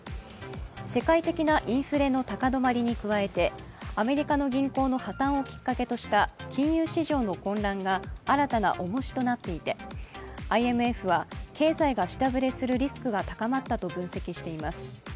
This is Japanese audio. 世界的なインフレの高止まりに加えてアメリカの銀行の破綻をきっかけとした金融市場の混乱が新たな重しとなっていて、ＩＭＦは経済が下振れするリスクが高まったと分析しています。